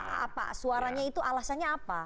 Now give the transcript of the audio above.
apa suaranya itu alasannya apa